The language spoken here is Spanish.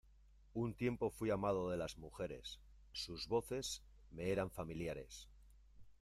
un tiempo fuí amado de las mujeres, sus voces me eran familiares: